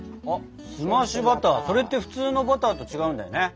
澄ましバターそれって普通のバターと違うんだよね。